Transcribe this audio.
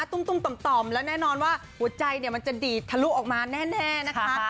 ตุ้มตุ้มต่อมต่อมและแน่นอนว่าหัวใจเนี่ยมันจะดีดทะลุออกมาแน่นะคะ